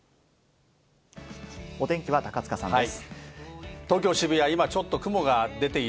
お天気は高塚さんです。